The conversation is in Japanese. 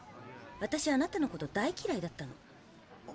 私あなたのこと大きらいだったの。